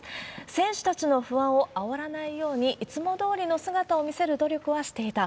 選手たちの不安をあおらないように、いつもどおりの姿を見せる努力はしていた。